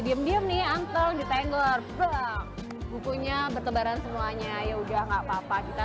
diem diem nih angkel di tenggor bukunya bertebaran semuanya ya udah nggak papa kita